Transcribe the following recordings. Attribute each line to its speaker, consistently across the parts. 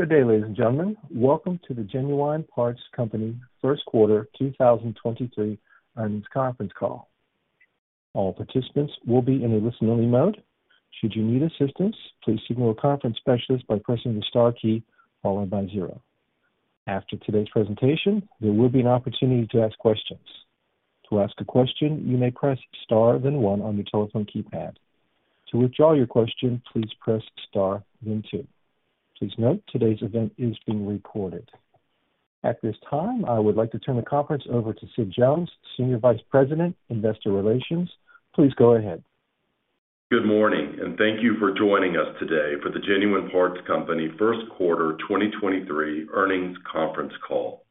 Speaker 1: Good day, ladies and gentlemen. Welcome to the Genuine Parts Company First Quarter 2023 Earnings Conference Call. All participants will be in a listen-only mode. Should you need assistance, please signal a conference specialist by pressing the star key followed by zero. After today's presentation, there will be an opportunity to ask questions. To ask a question, you may press star then one on your telephone keypad. To withdraw your question, please press star then two. Please note, today's event is being recorded. At this time, I would like to turn the conference over to Sid Jones, Senior Vice President, Investor Relations. Please go ahead.
Speaker 2: Good morning, thank you for joining us today for the Genuine Parts Company First Quarter 2023 Earnings Conference Call.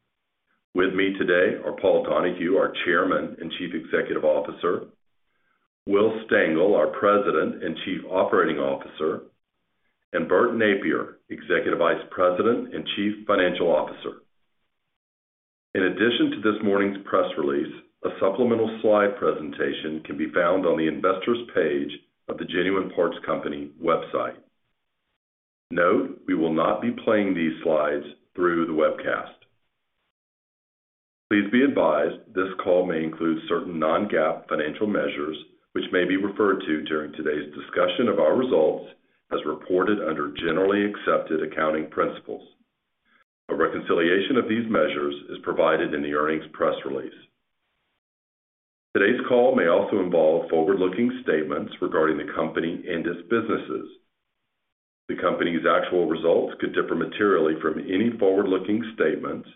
Speaker 2: With me today are Paul Donahue, our Chairman and Chief Executive Officer, Will Stengel, our President and Chief Operating Officer, and Bert Nappier, Executive Vice President and Chief Financial Officer. In addition to this morning's press release, a supplemental slide presentation can be found on the investor's page of the Genuine Parts Company website. Note, we will not be playing these slides through the webcast. Please be advised this call may include certain non-GAAP financial measures, which may be referred to during today's discussion of our results as reported under generally accepted accounting principles. A reconciliation of these measures is provided in the earnings press release. Today's call may also involve forward-looking statements regarding the company and its businesses. The company's actual results could differ materially from any forward-looking statements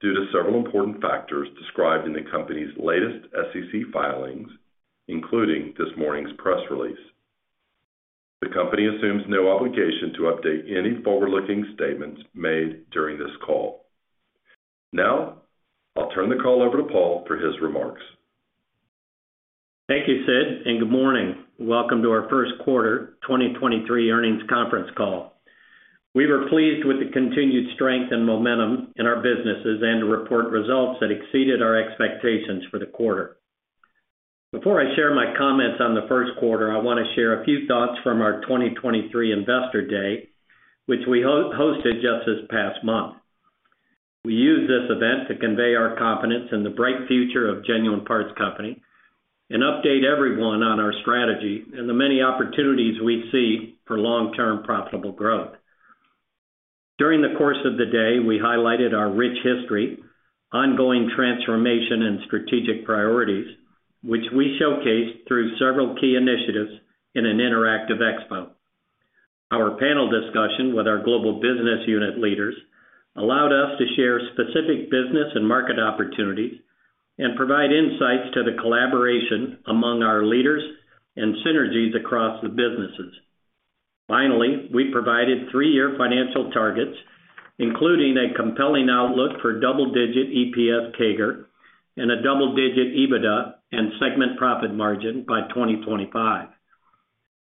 Speaker 2: due to several important factors described in the company's latest SEC filings, including this morning's press release. The company assumes no obligation to update any forward-looking statements made during this call. Now, I'll turn the call over to Paul for his remarks.
Speaker 3: Thank you, Sid, and good morning. Welcome to our First Quarter 2023 Earnings Conference Call. We were pleased with the continued strength and momentum in our businesses and to report results that exceeded our expectations for the quarter. Before I share my comments on the first quarter, I wanna share a few thoughts from our 2023 Investor Day, which we hosted just this past month. We used this event to convey our confidence in the bright future of Genuine Parts Company and update everyone on our strategy and the many opportunities we see for long-term profitable growth. During the course of the day, we highlighted our rich history, ongoing transformation and strategic priorities, which we showcased through several key initiatives in an interactive expo. Our panel discussion with our global business unit leaders allowed us to share specific business and market opportunities and provide insights to the collaboration among our leaders and synergies across the businesses. We provided three-year financial targets, including a compelling outlook for double-digit EPS CAGR and a double-digit EBITDA and segment profit margin by 2025.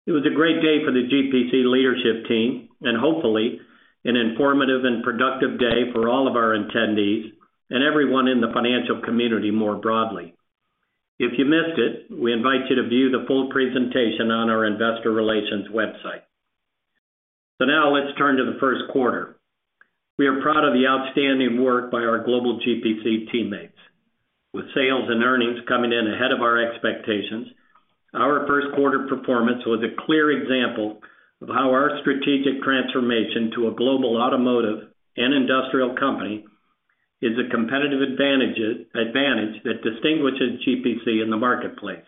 Speaker 3: It was a great day for the GPC leadership team, and hopefully an informative and productive day for all of our attendees and everyone in the financial community more broadly. If you missed it, we invite you to view the full presentation on our investor relations website. Now let's turn to the first quarter. We are proud of the outstanding work by our global GPC teammates. With sales and earnings coming in ahead of our expectations, our first quarter performance was a clear example of how our strategic transformation to a global automotive and industrial company is a competitive advantage that distinguishes GPC in the marketplace.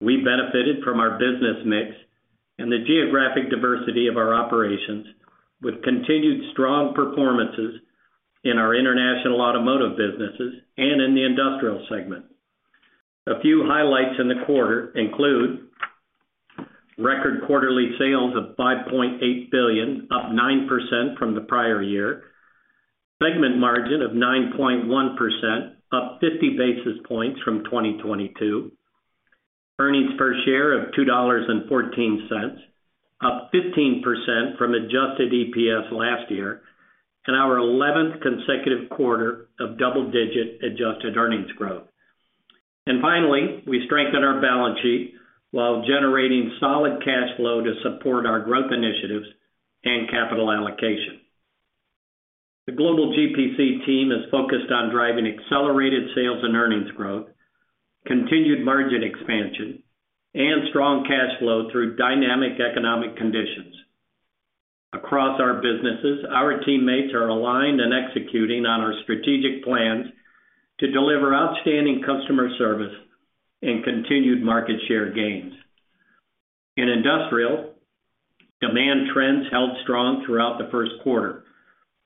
Speaker 3: We benefited from our business mix and the geographic diversity of our operations with continued strong performances in our international automotive businesses and in the industrial segment. A few highlights in the quarter include record quarterly sales of $5.8 billion, up 9% from the prior year. Segment margin of 9.1%, up 50-basis points from 2022. Earnings per share of $2.14, up 15% from adjusted EPS last year, and our eleventh consecutive quarter of double-digit adjusted earnings growth. Finally, we strengthened our balance sheet while generating solid cash flow to support our growth initiatives and capital allocation. The global GPC team is focused on driving accelerated sales and earnings growth, continued margin expansion, and strong cash flow through dynamic economic conditions. Across our businesses, our teammates are aligned and executing on our strategic plans to deliver outstanding customer service and continued market share gains. In industrial, demand trends held strong throughout the first quarter,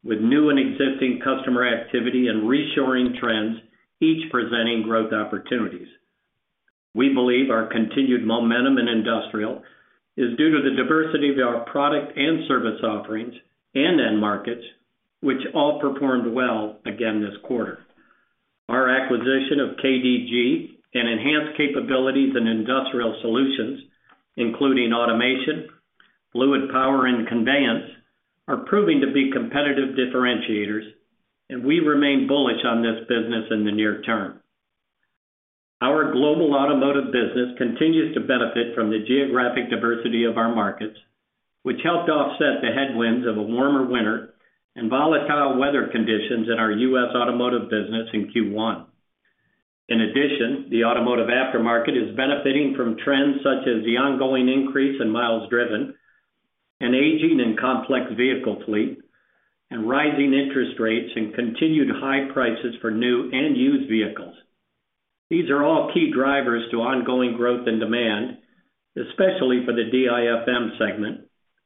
Speaker 3: with new and existing customer activity and reshoring trends each presenting growth opportunities. We believe our continued momentum in industrial is due to the diversity of our product and service offerings and end markets, which all performed well again this quarter. Our acquisition of KDG and enhanced capabilities in industrial solutions, including automation, fluid power, and conveyance, are proving to be competitive differentiators, and we remain bullish on this business in the near term. Our global automotive business continues to benefit from the geographic diversity of our markets, which helped offset the headwinds of a warmer winter and volatile weather conditions in our US Automotive business in first quarter. In addition, the automotive aftermarket is benefiting from trends such as the ongoing increase in miles driven, an aging and complex vehicle fleet, and rising interest rates and continued high prices for new and used vehicles. These are all key drivers to ongoing growth and demand, especially for the DIFM segment,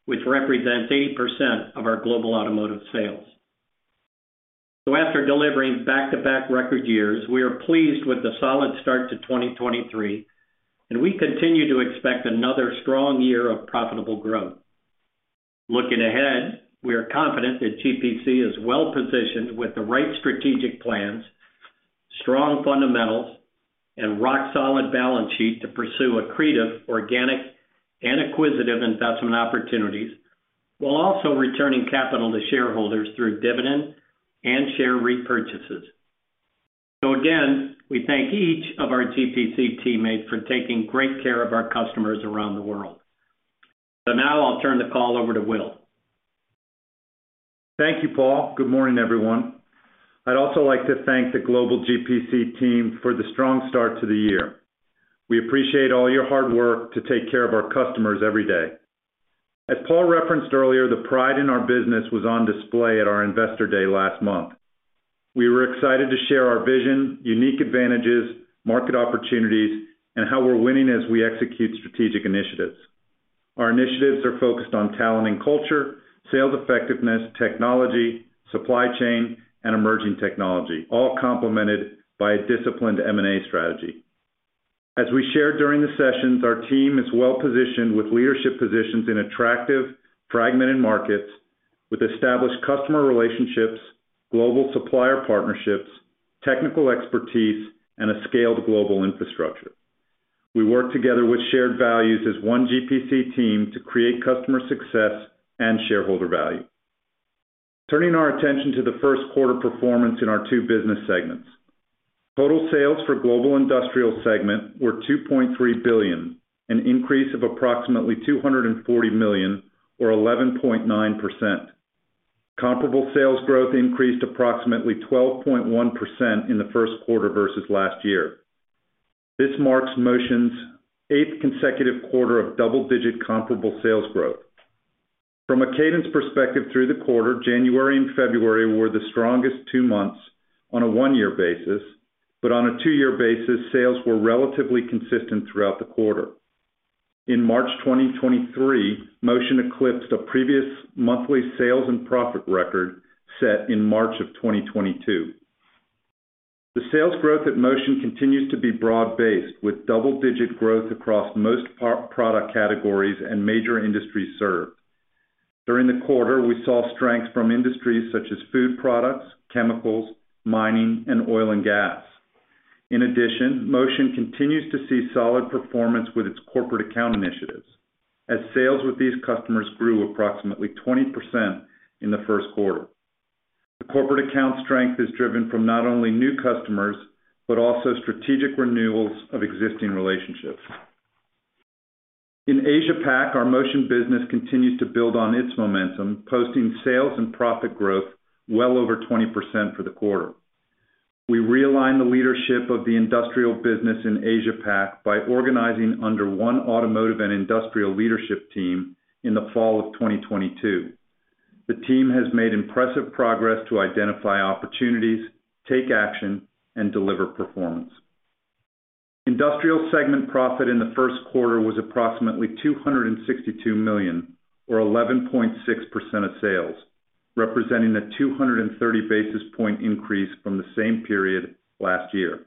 Speaker 3: which represents 80% of our global automotive sales. After delivering back-to-back record years, we are pleased with the solid start to 2023, and we continue to expect another strong year of profitable growth. Looking ahead, we are confident that GPC is well-positioned with the right strategic plans, strong fundamentals, and rock-solid balance sheet to pursue accretive, organic, and acquisitive investment opportunities, while also returning capital to shareholders through dividend and share repurchases. Again, we thank each of our GPC teammates for taking great care of our customers around the world. Now I'll turn the call over to Will.
Speaker 4: Thank you, Paul. Good morning, everyone. I'd also like to thank the global GPC team for the strong start to the year. We appreciate all your hard work to take care of our customers every day. As Paul referenced earlier, the pride in our business was on display at our Investor Day last month. We were excited to share our vision, unique advantages, market opportunities, and how we're winning as we execute strategic initiatives. Our initiatives are focused on talent and culture, sales effectiveness, technology, supply chain, and emerging technology, all complemented by a disciplined M&A strategy. As we shared during the sessions, our team is well-positioned with leadership positions in attractive, fragmented markets with established customer relationships, global supplier partnerships, technical expertise, and a scaled global infrastructure. We work together with shared values as One GPC team to create customer success and shareholder value. Turning our attention to the first quarter performance in our two business segments. Total sales for Global Industrial segment were $2.3 billion, an increase of approximately $240 million or 11.9%. Comparable sales growth increased approximately 12.1% in the first quarter versus last year. This marks Motion's eighth consecutive quarter of double-digit comparable sales growth. From a cadence perspective through the quarter, January and February were the strongest two months on a one-year basis, but on a two-year basis, sales were relatively consistent throughout the quarter. In March 2023, Motion eclipsed a previous monthly sales and profit record set in March of 2022. The sales growth at Motion continues to be broad-based, with double-digit growth across most pro-product categories and major industries served. During the quarter, we saw strength from industries such as food products, chemicals, mining, and oil and gas. In addition, Motion continues to see solid performance with its corporate account initiatives, as sales with these customers grew approximately 20% in the first quarter. The corporate account strength is driven from not only new customers, but also strategic renewals of existing relationships. In Asia Pac, our Motion business continues to build on its momentum, posting sales and profit growth well over 20% for the quarter. We realigned the leadership of the industrial business in Asia Pac by organizing under one automotive and industrial leadership team in the fall of 2022. The team has made impressive progress to identify opportunities, take action, and deliver performance. Industrial segment profit in the first quarter was approximately $262 million or 11.6% of sales, representing a 230-basis point increase from the same period last year.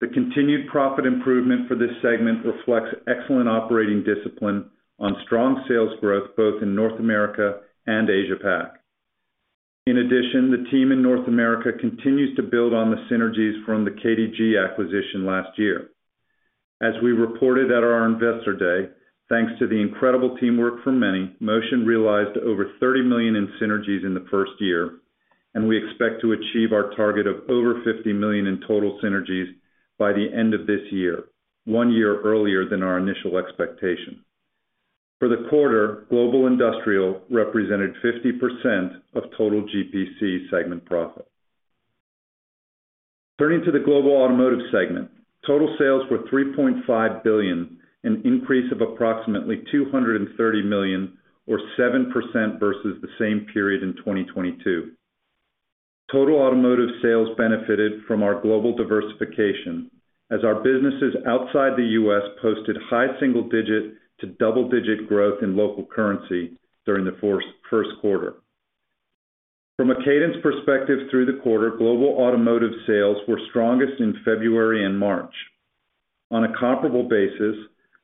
Speaker 4: The continued profit improvement for this segment reflects excellent operating discipline on strong sales growth, both in North America and Asia Pac. In addition, the team in North America continues to build on the synergies from the KDG acquisition last year. As we reported at our Investor Day, thanks to the incredible teamwork from many, Motion realized over $30 million in synergies in the first year, and we expect to achieve our target of over $50 million in total synergies by the end of this year, one year earlier than our initial expectation. For the quarter, global industrial represented 50% of total GPC segment profit. Turning to the global automotive segment, total sales were $3.5 billion, an increase of approximately $230 million or 7% versus the same period in 2022. Total automotive sales benefited from our global diversification as our businesses outside the US posted high single digit to double-digit growth in local currency during the first quarter. From a cadence perspective through the quarter, global automotive sales were strongest in February and March. On a comparable basis,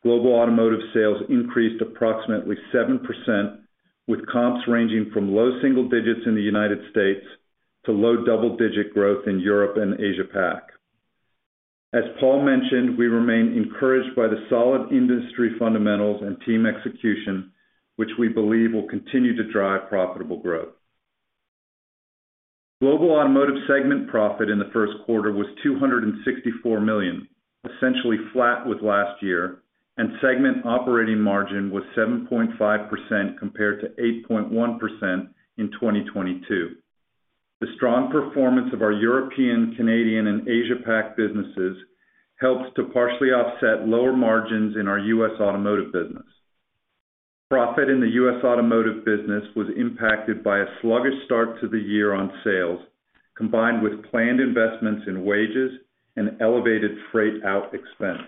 Speaker 4: global automotive sales increased approximately 7%, with comps ranging from low single digits in the United States to low double-digit growth in Europe and Asia Pac. As Paul mentioned, we remain encouraged by the solid industry fundamentals and team execution, which we believe will continue to drive profitable growth. Global automotive segment profit in the first quarter was $264 million, essentially flat with last year, and segment operating margin was 7.5% compared to 8.1% in 2022. The strong performance of our European, Canadian, and Asia-Pac businesses helped to partially offset lower margins in our US Automotive business. Profit in the US Automotive business was impacted by a sluggish start to the year on sales, combined with planned investments in wages and elevated freight out expense.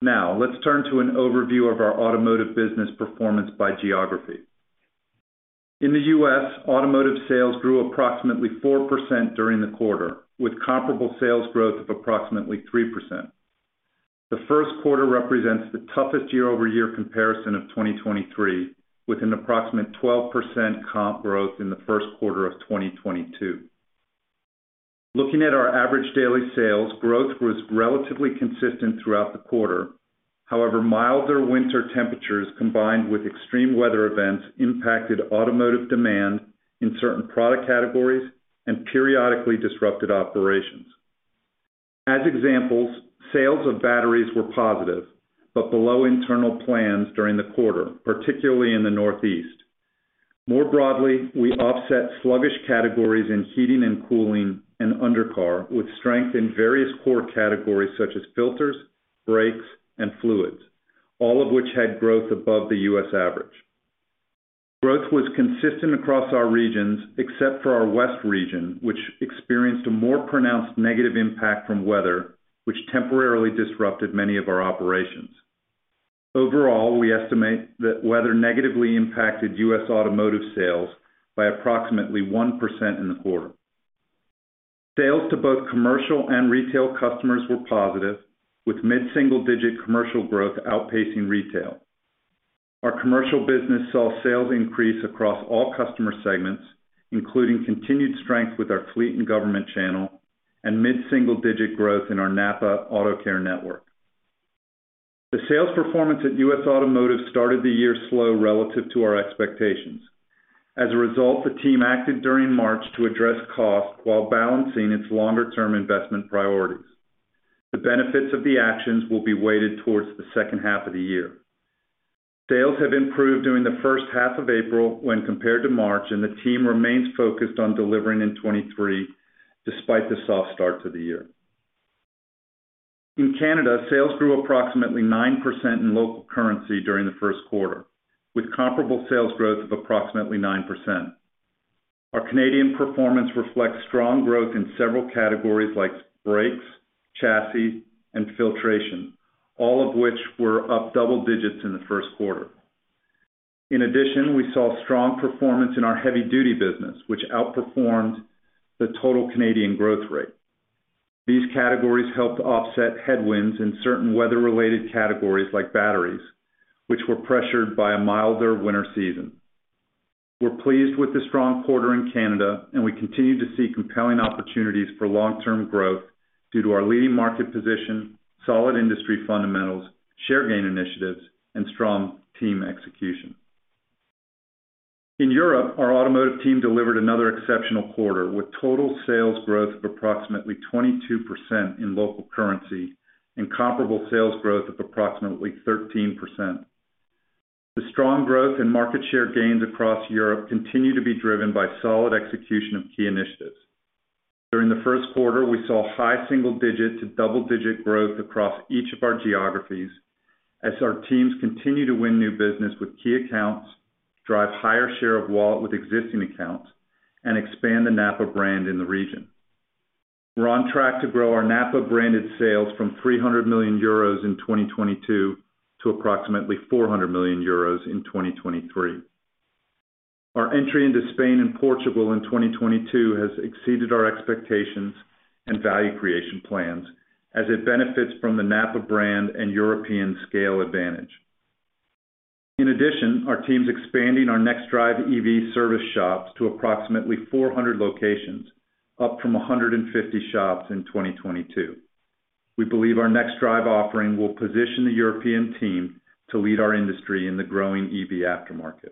Speaker 4: Now, let's turn to an overview of our automotive business performance by geography. In the US, automotive sales grew approximately 4% during the quarter, with comparable sales growth of approximately 3%. The first quarter represents the toughest year-over-year comparison of 2023, with an approximate 12% comp growth in the first quarter of 2022. Looking at our average daily sales, growth was relatively consistent throughout the quarter. However, milder winter temperatures combined with extreme weather events impacted automotive demand in certain product categories and periodically disrupted operations. As examples, sales of batteries were positive, but below internal plans during the quarter, particularly in the Northeast. More broadly, we offset sluggish categories in heating and cooling and undercar with strength in various core categories such as filters, brakes, and fluids, all of which had growth above the US average. Growth was consistent across our regions, except for our west region, which experienced a more pronounced negative impact from weather, which temporarily disrupted many of our operations. Overall, we estimate that weather negatively impacted US Automotive sales by approximately 1% in the quarter. Sales to both commercial and retail customers were positive, with mid-single-digit commercial growth outpacing retail. Our commercial business saw sales increase across all customer segments, including continued strength with our fleet and government channel and mid-single-digit growth in our NAPA AutoCare network. The sales performance at US Automotive started the year slow relative to our expectations. As a result, the team acted during March to address costs while balancing its longer-term investment priorities. The benefits of the actions will be weighted towards the second half of the year. Sales have improved during the first half of April when compared to March, and the team remains focused on delivering in 2023 despite the soft start to the year. In Canada, sales grew approximately 9% in local currency during the first quarter, with comparable sales growth of approximately 9%. Our Canadian performance reflects strong growth in several categories like brakes, chassis, and filtration, all of which were up double digits in the first quarter. We saw strong performance in our heavy-duty business, which outperformed the total Canadian growth rate. These categories helped offset headwinds in certain weather-related categories like batteries, which were pressured by a milder winter season. We're pleased with the strong quarter in Canada, we continue to see compelling opportunities for long-term growth due to our leading market position, solid industry fundamentals, share gain initiatives, and strong team execution. In Europe, our automotive team delivered another exceptional quarter, with total sales growth of approximately 22% in local currency and comparable sales growth of approximately 13%. The strong growth in market share gains across Europe continue to be driven by solid execution of key initiatives. During the first quarter, we saw high single-digit to double-digit growth across each of our geographies as our teams continue to win new business with key accounts, drive higher share of wallet with existing accounts, and expand the NAPA brand in the region. We're on track to grow our NAPA-branded sales from 300 million euros in 2022 to approximately 400 million euros in 2023. Our entry into Spain and Portugal in 2022 has exceeded our expectations and value creation plans as it benefits from the NAPA brand and European scale advantage. Our team's expanding our NextDrive EV service shops to approximately 400 locations, up from 150 shops in 2022. We believe our NextDrive offering will position the European team to lead our industry in the growing EV aftermarket.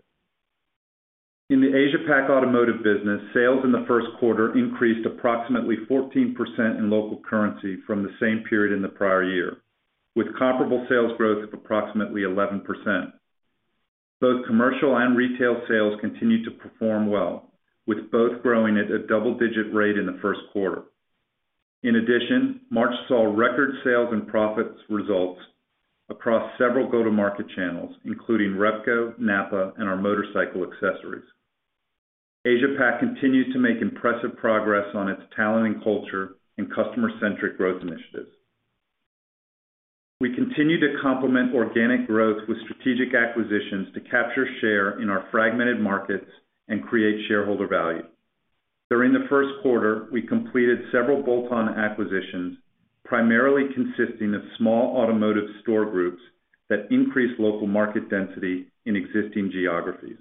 Speaker 4: In the Asia-Pac automotive business, sales in the first quarter increased approximately 14% in local currency from the same period in the prior year, with comparable sales growth of approximately 11%. Both commercial and retail sales continued to perform well, with both growing at a double-digit rate in the first quarter. In addition, March saw record sales and profits results across several go-to-market channels, including Repco, NAPA, and our motorcycle accessories. Asia-Pac continues to make impressive progress on its talent and culture and customer-centric growth initiatives. We continue to complement organic growth with strategic acquisitions to capture share in our fragmented markets and create shareholder value. During the first quarter, we completed several bolt-on acquisitions, primarily consisting of small automotive store groups that increase local market density in existing geographies.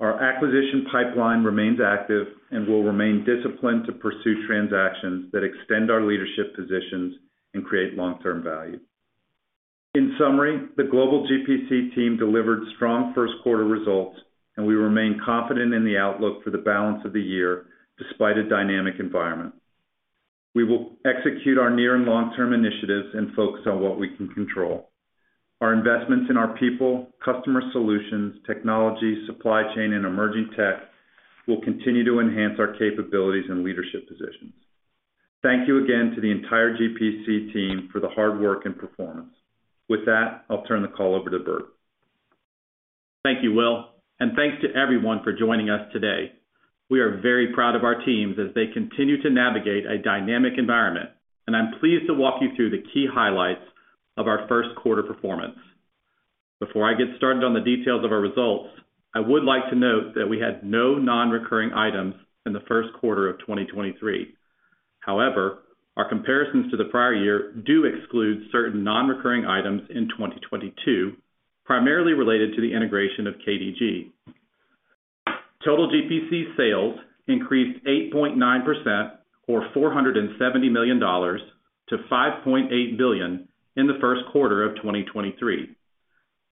Speaker 4: Our acquisition pipeline remains active and will remain disciplined to pursue transactions that extend our leadership positions and create long-term value. The global GPC team delivered strong first quarter results, and we remain confident in the outlook for the balance of the year despite a dynamic environment. We will execute our near and long-term initiatives and focus on what we can control. Our investments in our people, customer solutions, technology, supply chain, and emerging tech will continue to enhance our capabilities and leadership positions. Thank you again to the entire GPC team for the hard work and performance. With that, I'll turn the call over to Bert.
Speaker 5: Thank you, Will, and thanks to everyone for joining us today. We are very proud of our teams as they continue to navigate a dynamic environment, and I'm pleased to walk you through the key highlights of our first quarter performance. Before I get started on the details of our results, I would like to note that we had no non-recurring items in the first quarter of 2023. However, our comparisons to the prior year do exclude certain non-recurring items in 2022, primarily related to the integration of KDG. Total GPC sales increased 8.9%, or $470 million to 5.8 billion in the first quarter of 2023.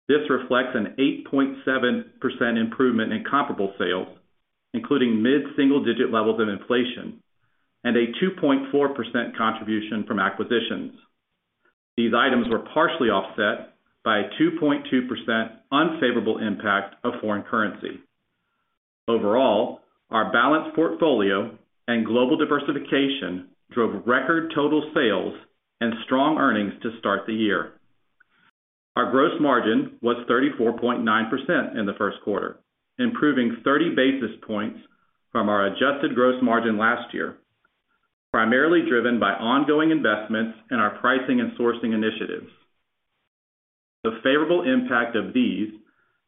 Speaker 5: This reflects an 8.7% improvement in comparable sales, including mid-single-digit levels of inflation and a 2.4% contribution from acquisitions. These items were partially offset by a 2.2% unfavorable impact of foreign currency. Overall, our balanced portfolio and global diversification drove record total sales and strong earnings to start the year. Our gross margin was 34.9% in the first quarter, improving 30-basis points from our adjusted gross margin last year, primarily driven by ongoing investments in our pricing and sourcing initiatives. The favorable impact of these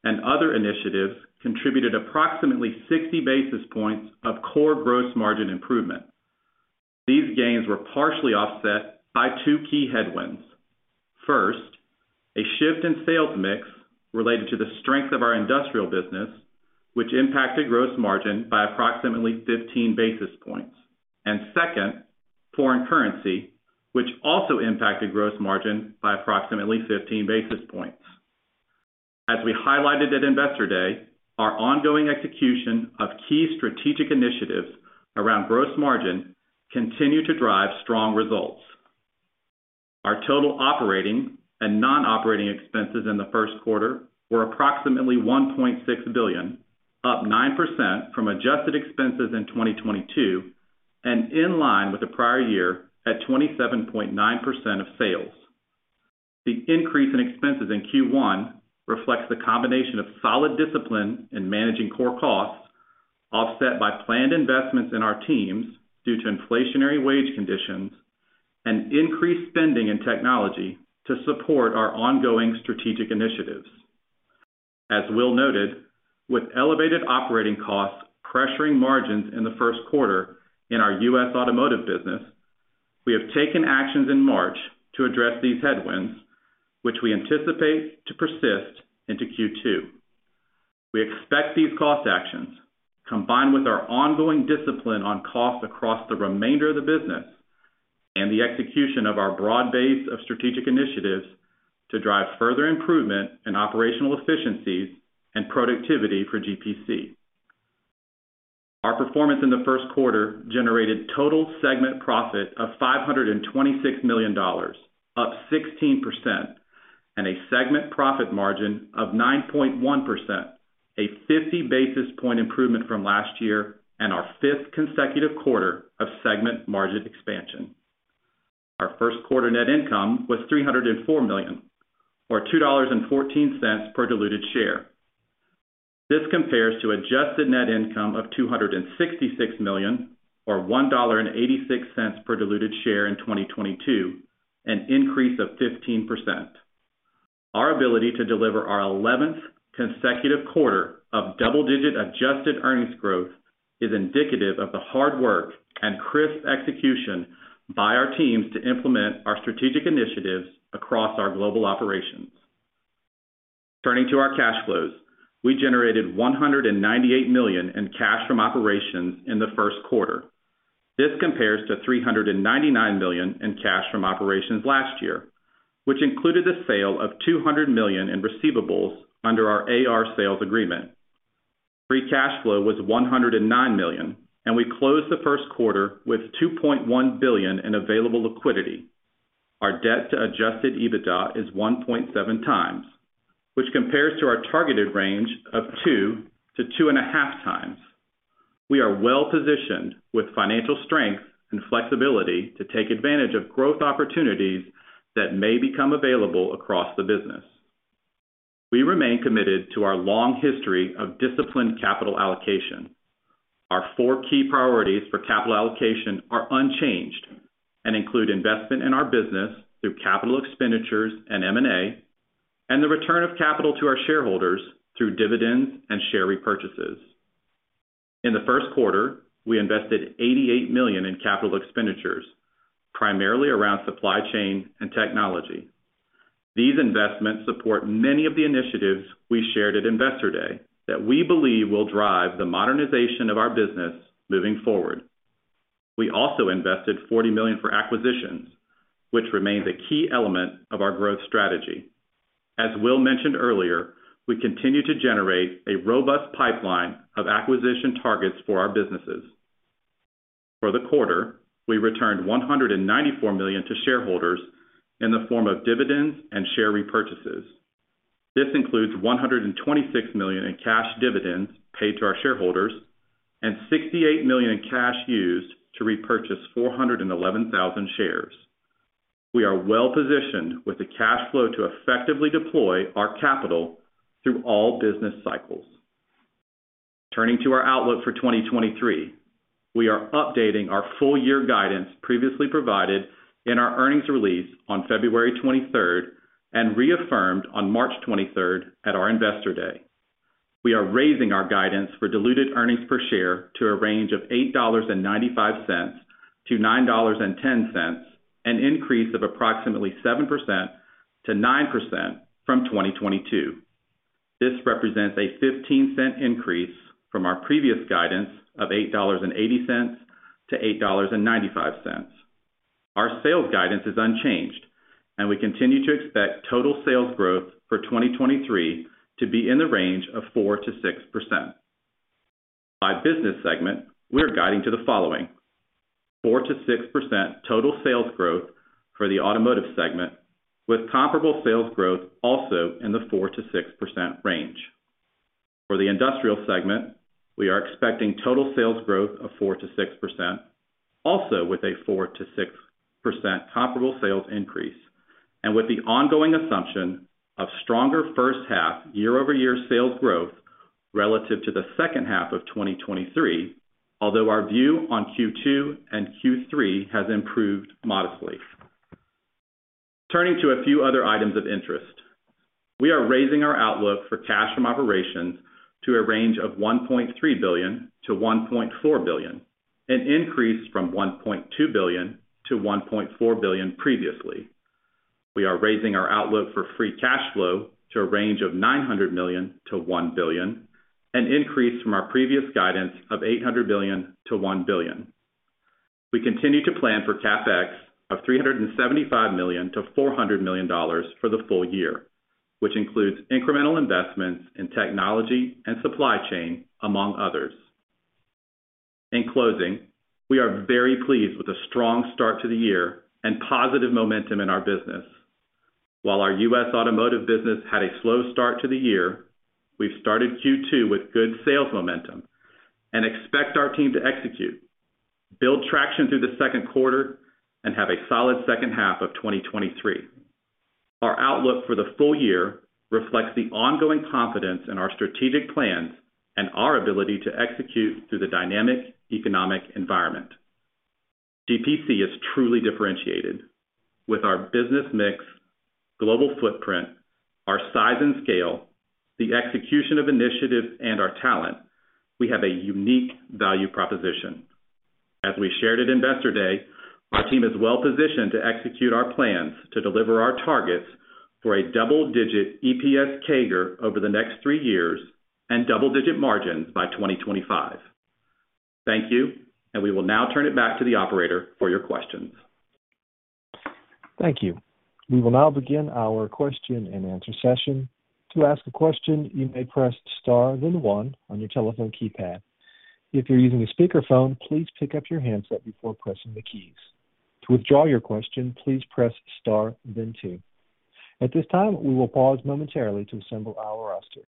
Speaker 5: and other initiatives contributed approximately 60-basis points of core gross margin improvement. These gains were partially offset by two key headwinds. First, a shift in sales mix related to the strength of our industrial business, which impacted gross margin by approximately 15-basis points. Second, foreign currency, which also impacted gross margin by approximately 15-basis points. As we highlighted at Investor Day, our ongoing execution of key strategic initiatives around gross margin continue to drive strong results. Our total operating and non-operating expenses in the first quarter were approximately $1.6 billion, up 9% from adjusted expenses in 2022 and in line with the prior year at 27.9% of sales. The increase in expenses in first quarter reflects the combination of solid discipline in managing core costs, offset by planned investments in our teams due to inflationary wage conditions and increased spending in technology to support our ongoing strategic initiatives. As Will noted, with elevated operating costs pressuring margins in the first quarter in our US Automotive business, we have taken actions in March to address these headwinds, which we anticipate to persist into second quarter. We expect these cost actions, combined with our ongoing discipline on costs across the remainder of the business and the execution of our broad base of strategic initiatives to drive further improvement in operational efficiencies and productivity for GPC. Our performance in the first quarter generated total segment profit of $526 million, up 16%, and a segment profit margin of 9.1%, a 50-basis point improvement from last year and our fifth consecutive quarter of segment margin expansion. Our first quarter net income was $304 million, or $2.14 per diluted share. This compares to adjusted net income of $266 million or $1.86 per diluted share in 2022, an increase of 15%. Our ability to deliver our eleventh consecutive quarter of double-digit adjusted earnings growth is indicative of the hard work and crisp execution by our teams to implement our strategic initiatives across our global operations. Turning to our cash flows, we generated $198 million in cash from operations in the first quarter. This compares to $399 million in cash from operations last year, which included the sale of $200 million in receivables under our AR sales agreement. Free cash flow was $109 million, and we closed the first quarter with $2.1 billion in available liquidity. Our debt to adjusted EBITDA is 1.7x, which compares to our targeted range of 2x to 2.5x. We are well-positioned with financial strength and flexibility to take advantage of growth opportunities that may become available across the business. We remain committed to our long history of disciplined capital allocation. Our four key priorities for capital allocation are unchanged and include investment in our business through capital expenditures and M&A, and the return of capital to our shareholders through dividends and share repurchases. In the first quarter, we invested $88 million in capital expenditures, primarily around supply chain and technology. These investments support many of the initiatives we shared at Investor Day that we believe will drive the modernization of our business moving forward. We also invested $40 million for acquisitions, which remains a key element of our growth strategy. As Will mentioned earlier, we continue to generate a robust pipeline of acquisition targets for our businesses. For the quarter, we returned $194 million to shareholders in the form of dividends and share repurchases. This includes $126 million in cash dividends paid to our shareholders and $68 million in cash used to repurchase 411,000 shares. We are well positioned with the cash flow to effectively deploy our capital through all business cycles. Turning to our outlook for 2023, we are updating our full year guidance previously provided in our earnings release on 23 February 2023 and reaffirmed on 23 March 2023 at our Investor Day. We are raising our guidance for diluted earnings per share to a range of $8.95 to 9.10, an increase of approximately 7% to 9% from 2022. This represents a $0.15 increase from our previous guidance of $8.80 to 8.95. Our sales guidance is unchanged, and we continue to expect total sales growth for 2023 to be in the range of 4% to 6%. By business segment, we are guiding to the following: 4% to 6% total sales growth for the automotive segment with comparable sales growth also in the 4% to 6% range. For the industrial segment, we are expecting total sales growth of 4% to 6%, also with a 4% to 6% comparable sales increase and with the ongoing assumption of stronger first half year-over-year sales growth relative to the second half of 2023 although our view on second quarter and third quarter has improved modestly. Turning to a few other items of interest. We are raising our outlook for cash from operations to a range of $1.3 to 1.4 billion, an increase from $1.2 to 1.4 billion previously. We are raising our outlook for free cash flow to a range of $900 million to 1 billion, an increase from our previous guidance of $800 million to 1 billion. We continue to plan for CapEx of $375 to 400 million for the full year, which includes incremental investments in technology and supply chain, among others. In closing, we are very pleased with the strong start to the year and positive momentum in our business. While our US Automotive business had a slow start to the year, we've started second quarter with good sales momentum and expect our team to execute, build traction through the second quarter and have a solid second half of 2023. Our outlook for the full year reflects the ongoing confidence in our strategic plans and our ability to execute through the dynamic economic environment. GPC is truly differentiated with our business mix, global footprint, our size and scale, the execution of initiatives and our talent. We have a unique value proposition. As we shared at Investor Day, our team is well positioned to execute our plans to deliver our targets for a double-digit EPS CAGR over the next three years and double-digit margins by 2025. Thank you. We will now turn it back to the operator for your questions.
Speaker 1: Thank you. We will now begin our question-and-answer session. To ask a question, you may press star then one on your telephone keypad. If you're using a speakerphone, please pick up your handset before pressing the keys. To withdraw your question, please press star then two. At this time, we will pause momentarily to assemble our roster.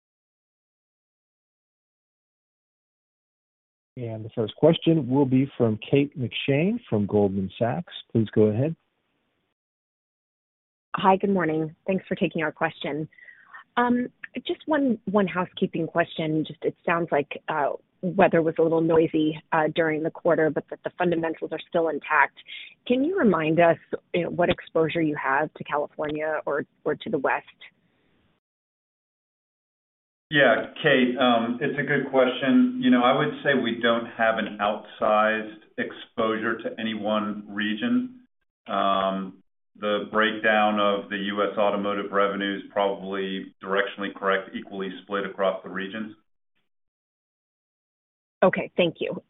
Speaker 1: The first question will be from Kate McShane from Goldman Sachs. Please go ahead.
Speaker 6: Hi. Good morning. Thanks for taking our question. Just one housekeeping question. Just it sounds like weather was a little noisy during the quarter, but that the fundamentals are still intact. Can you remind us what exposure you have to California or to the West?
Speaker 3: Yeah. Kate, it's a good question. You know, I would say we don't have an outsized exposure to any one region. The breakdown of the US Automotive revenue is probably directionally correct, equally split across the regions.
Speaker 6: Okay. Thank you.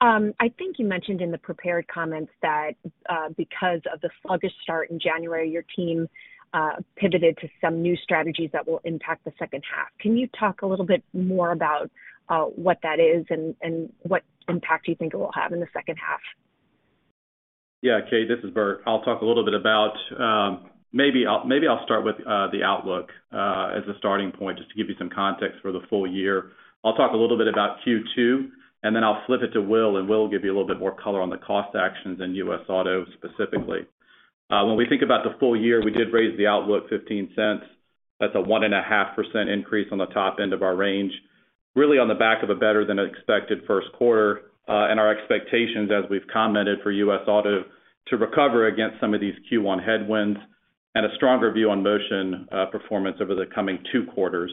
Speaker 6: I think you mentioned in the prepared comments that, because of the sluggish start in January, your team pivoted to some new strategies that will impact the second half. Can you talk a little bit more about what that is and what impact you think it will have in the second half?
Speaker 5: Kate, this is Bert. I'll talk a little bit about maybe I'll start with the outlook as a starting point, just to give you some context for the full year. I'll talk a little bit about second quarter, and then I'll flip it to Will, and Will give you a little bit more color on the cost actions in US Auto specifically. When we think about the full year, we did raise the outlook $0.15. That's a 1.5% increase on the top end of our range, really on the back of a better than expected first quarter, and our expectations, as we've commented, for US Auto to recover against some of these first quarter headwinds and a stronger view on Motion performance over the coming two quarters.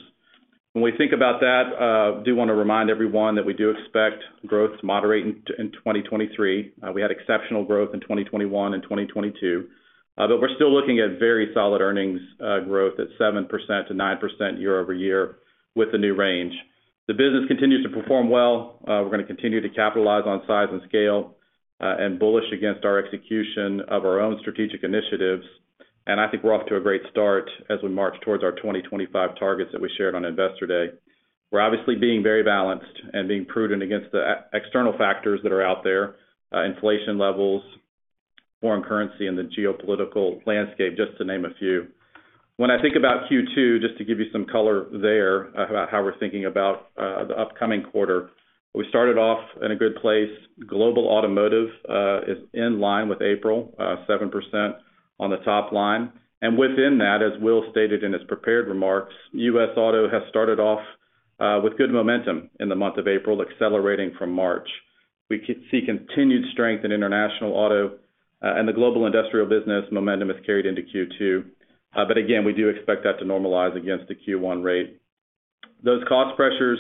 Speaker 5: When we think about that, I do wanna remind everyone that we do expect growth to moderate in 2023. We had exceptional growth in 2021 and 2022, but we're still looking at very solid earnings growth at 7% to 9% year-over-year with the new range. The business continues to perform well. We're gonna continue to capitalize on size and scale and bullish against our execution of our own strategic initiatives. I think we're off to a great start as we march towards our 2025 targets that we shared on Investor Day. We're obviously being very balanced and being prudent against the external factors that are out there, inflation levels, foreign currency and the geopolitical landscape, just to name a few. When I think about second quarter, just to give you some color there about how we're thinking about the upcoming quarter, we started off in a good place. Global automotive is in line with April, 7% on the top line. Within that, as Will stated in his prepared remarks, US Auto has started off with good momentum in the month of April, accelerating from March. We see continued strength in international auto, and the global industrial business momentum is carried into second quarter. Again, we do expect that to normalize against the first quarter rate. Those cost pressures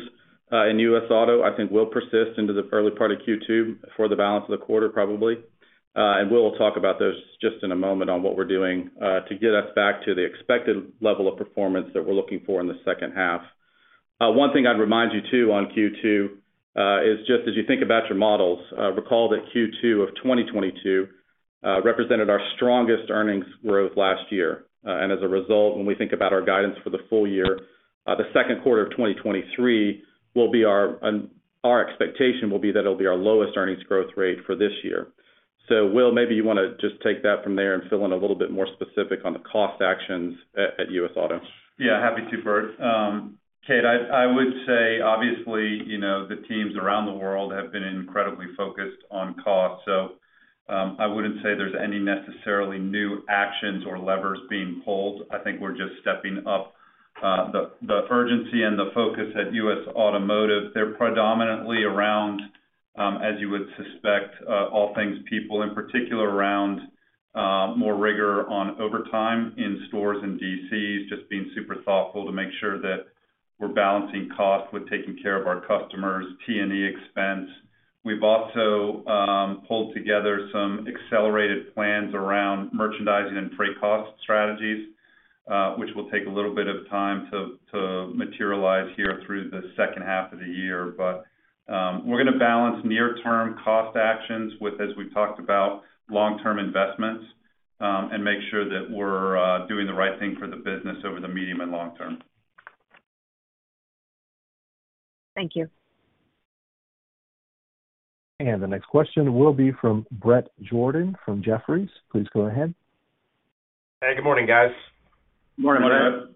Speaker 5: in US Auto, I think, will persist into the early part of second quarter for the balance of the quarter, probably. Will talk about those just in a moment on what we're doing to get us back to the expected level of performance that we're looking for in the second half. One thing I'd remind you too on second quarter is just as you think about your models, recall that second quarter of 2022 represented our strongest earnings growth last year. As a result, when we think about our guidance for the full year, the second quarter of 2023 will be our expectation will be that it'll be our lowest earnings growth rate for this year. Will, maybe you wanna just take that from there and fill in a little bit more specific on the cost actions at US Auto.
Speaker 4: Yeah, happy to, Bert. Kate, I would say, obviously, you know, the teams around the world have been incredibly focused on cost. I wouldn't say there's any necessarily new actions or levers being pulled. I think we're just stepping up the urgency and the focus at US Automotive. They're predominantly around, as you would suspect, all things people, in particular around more rigor on overtime in stores and DCs, just being super thoughtful to make sure that we're balancing cost with taking care of our customers, P&E expense. We've also pulled together some accelerated plans around merchandising and freight cost strategies, which will take a little bit of time to materialize here through the second half of the year. We're gonna balance near-term cost actions with, as we've talked about, long-term investments, and make sure that we're doing the right thing for the business over the medium and long term.
Speaker 6: Thank you.
Speaker 1: The next question will be from Bret Jordan from Jefferies. Please go ahead.
Speaker 7: Hey, good morning, guys.
Speaker 4: Good morning, Bret.
Speaker 5: Morning.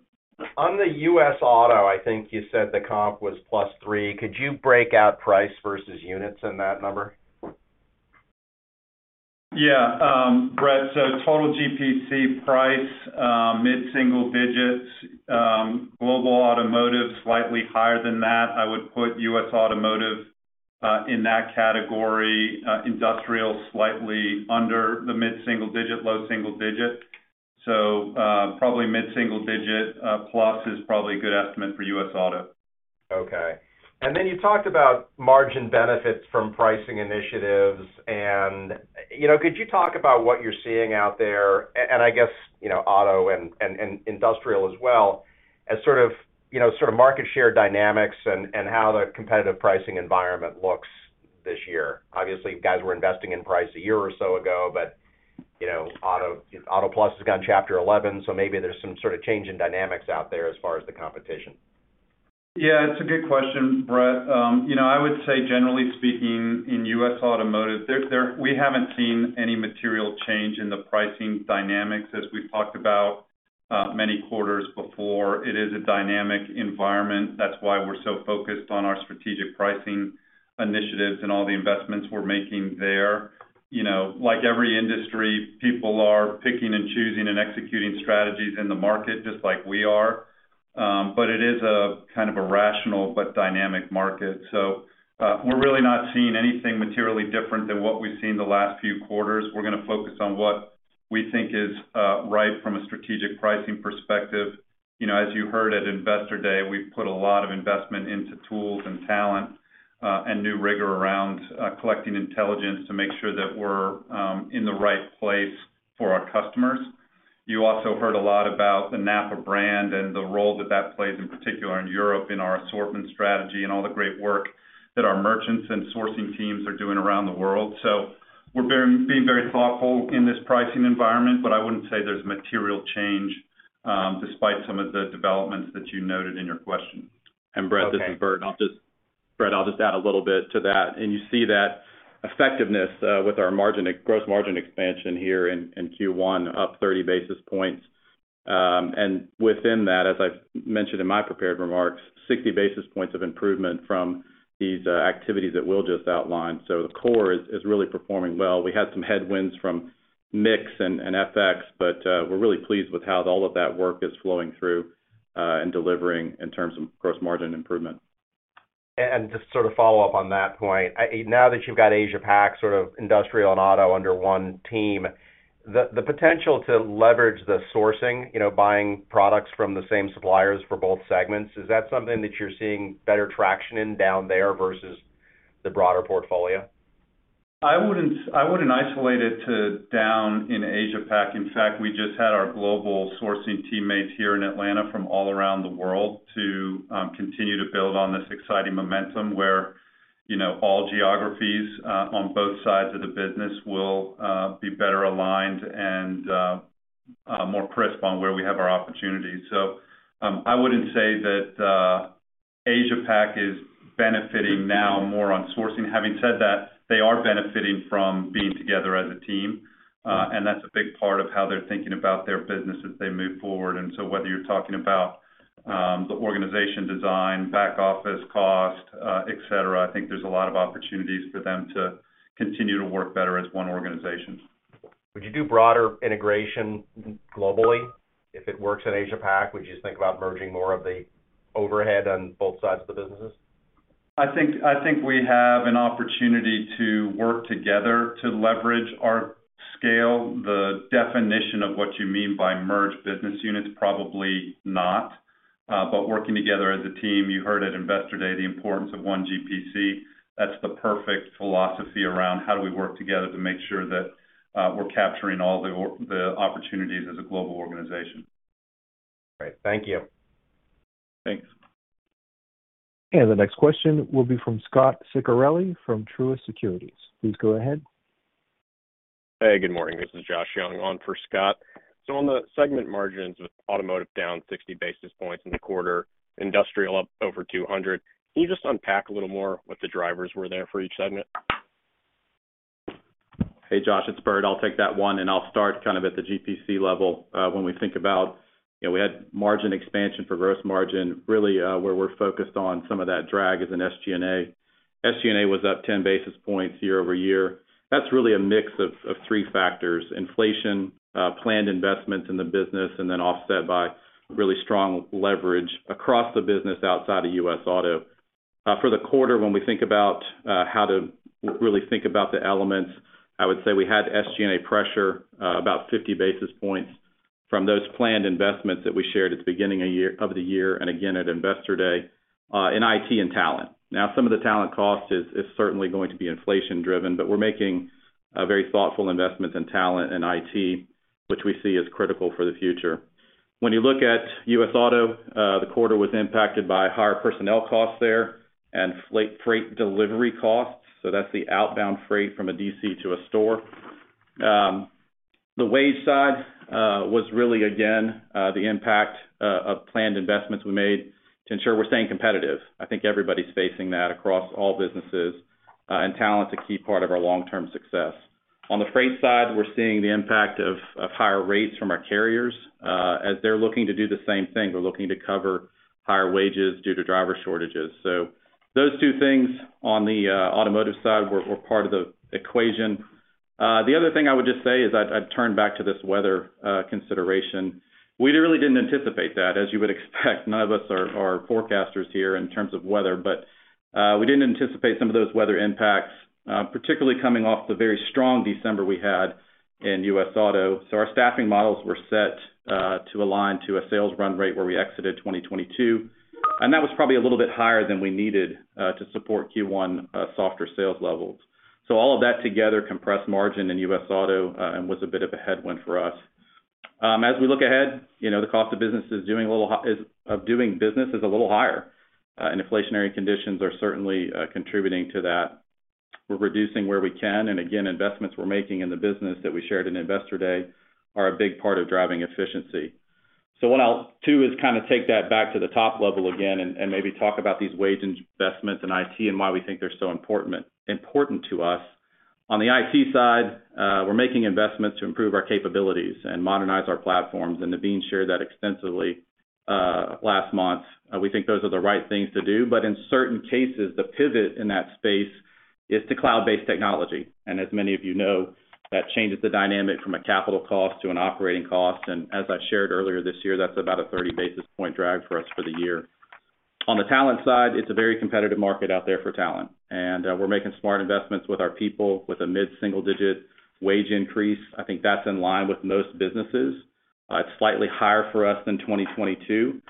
Speaker 7: On the US Auto, I think you said the comp was +3. Could you break out price versus units in that number?
Speaker 3: Yeah. Bret, total GPC price, mid-single digits. Global automotive, slightly higher than that. I would put US Automotive in that category, industrial slightly under the mid-single digit, low single digit. Probably mid-single digit plus is probably a good estimate for US Auto.
Speaker 8: Okay. Then you talked about margin benefits from pricing initiatives, and, you know, could you talk about what you're seeing out there and I guess, you know, auto and industrial as well as you know, sort of market share dynamics and how the competitive pricing environment looks this year? Obviously, you guys were investing in price a year or so ago, but, you know, AutoPlus has gone Chapter 11, so maybe there's some sort of change in dynamics out there as far as the competition.
Speaker 3: Yeah, it's a good question, Bret. you know, I would say generally speaking in US Automotive, there we haven't seen any material change in the pricing dynamics. As we've talked about many quarters before, it is a dynamic environment. That's why we're so focused on our strategic pricing initiatives and all the investments we're making there. You know, like every industry, people are picking and choosing and executing strategies in the market just like we are. It is a kind of a rational but dynamic market. We're really not seeing anything materially different than what we've seen the last few quarters. We're gonna focus on what we think is right from a strategic pricing perspective. You know, as you heard at Investor Day, we've put a lot of investment into tools and talent, and new rigor around collecting intelligence to make sure that we're in the right place for our customers. You also heard a lot about the NAPA brand and the role that that plays, in particular in Europe, in our assortment strategy and all the great work that our merchants and sourcing teams are doing around the world. We're being very thoughtful in this pricing environment, but I wouldn't say there's material change despite some of the developments that you noted in your question.
Speaker 5: And Bret... this is Bert.
Speaker 7: Okay.
Speaker 5: Bret, I'll just add a little bit to that. You see that effectiveness with our margin, gross margin expansion here in first quarter up 30-basis points. Within that, as I've mentioned in my prepared remarks, 60-basis points of improvement from these activities that Will just outlined. The core is really performing well. We had some headwinds from mix and FX; we're really pleased with how all of that work is flowing through and delivering in terms of gross margin improvement.
Speaker 7: Just sort of follow up on that point. Now that you've got Asia-Pac, sort of industrial and auto under one team, the potential to leverage the sourcing, you know, buying products from the same suppliers for both segments, is that something that you're seeing better traction in down there versus the broader portfolio?
Speaker 3: I wouldn't isolate it to down in Asia-Pac. In fact, we just had our global sourcing teammates here in Atlanta from all around the world to continue to build on this exciting momentum where you know, all geographies on both sides of the business will be better aligned and more crisp on where we have our opportunities. I wouldn't say that Asia-Pac is benefiting now more on sourcing. Having said that, they are benefiting from being together as a team, and that's a big part of how they're thinking about their business as they move forward. Whether you're talking about the organization design, back-office cost, et cetera, I think there's a lot of opportunities for them to continue to work better as one organization.
Speaker 7: Would you do broader integration globally? If it works in Asia-Pac, would you think about merging more of the overhead on both sides of the businesses?
Speaker 3: I think we have an opportunity to work together to leverage our scale. The definition of what you mean by merge business units, probably not, but working together as a team, you heard at Investor Day, the importance of One GPC. That's the perfect philosophy around how do we work together to make sure that we're capturing all the opportunities as a global organization.
Speaker 7: Great. Thank you.
Speaker 3: Thanks.
Speaker 1: The next question will be from Scot Ciccarelli from Truist Securities. Please go ahead.
Speaker 9: Hey, good morning. This is Josh Young on for Scott. On the segment margins with automotive down 60-basis points in the quarter, industrial up over 200-basis points, can you just unpack a little more what the drivers were there for each segment?
Speaker 5: Hey, Josh Young, it's Bert Nappier. I'll take that one, and I'll start kind of at the GPC level, when we think about, you know, we had margin expansion for gross margin, really, where we're focused on some of that drag as an SG&A. SG&A was up 10-basis points year-over-year. That's really a mix of three factors: inflation, planned investments in the business, and then offset by really strong leverage across the business outside of US Auto. For the quarter, when we think about how to really think about the elements, I would say we had SG&A pressure, about 50-basis points from those planned investments that we shared at the beginning of the year and again at Investor Day, in IT and talent. Now, some of the talent cost is certainly going to be inflation driven, but we're making very thoughtful investments in talent and IT, which we see as critical for the future. When you look at US Auto, the quarter was impacted by higher personnel costs there and freight delivery costs. That's the outbound freight from a DC to a store. The wage side was really, again, the impact of planned investments we made to ensure we're staying competitive. I think everybody's facing that across all businesses, talent's a key part of our long-term success. On the freight side, we're seeing the impact of higher rates from our carriers as they're looking to do the same thing. They're looking to cover higher wages due to driver shortages. Those two things on the automotive side were part of the equation. The other thing I would just say is I'd turn back to this weather consideration. We really didn't anticipate that. As you would expect, none of us are forecasters here in terms of weather, but we didn't anticipate some of those weather impacts particularly coming off the very strong December we had in US Auto. Our staffing models were set to align to a sales run rate where we exited 2022, and that was probably a little bit higher than we needed to support first quarter softer sales levels. All of that together compressed margin in US Auto and was a bit of a headwind for us. As we look ahead, you know, the cost of business of doing business is a little higher, and inflationary conditions are certainly contributing to that. We're reducing where we can, and again, investments we're making in the business that we shared in Investor Day are a big part of driving efficiency. What I'll-- too, is kinda take that back to the top level again and maybe talk about these wage investments in IT and why we think they're so important to us. On the IT side, we're making investments to improve our capabilities and modernize our platforms, and Naveen shared that extensively last month. We think those are the right things to do. In certain cases, the pivot in that space is to cloud-based technology. As many of you know, that changes the dynamic from a capital cost to an operating cost. As I shared earlier this year, that's about a 30 basis point drag for us for the year. On the talent side, it's a very competitive market out there for talent, and we're making smart investments with our people with a mid-single-digit wage increase. I think that's in line with most businesses. It's slightly higher for us than 2022.